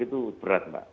itu berat mbak